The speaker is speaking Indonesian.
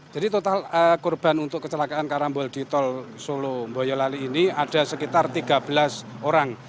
jadi total korban untuk kecelakaan karambol di tol solo mboyo lali ini ada sekitar tiga belas orang